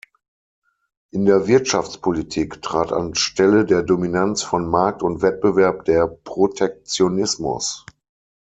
In der Wirtschaftspolitik trat an Stelle der Dominanz von Markt und Wettbewerb der Protektionismus.